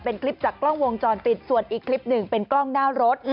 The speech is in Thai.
เป็นคลิปจากกล้องวงจรปิดส่วนอีกคลิปหนึ่งเป็นกล้องหน้ารถ